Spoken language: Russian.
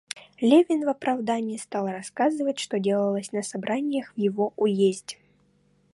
Левин в оправдание стал рассказывать, что делалось на собраниях в его уезде.